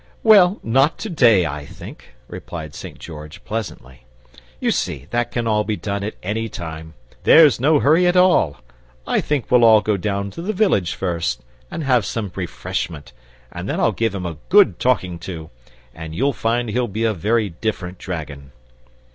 "Well, not TO DAY, I think," replied St. George, pleasantly. "You see, that can be done at ANY time. There's no hurry at all. I think we'll all go down to the village first, and have some refreshment, and then I'll give him a good talking to, and you'll find he'll be a very different dragon!"